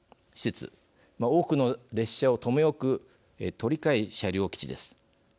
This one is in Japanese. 多くの列車を留め置く鳥飼車両基地です。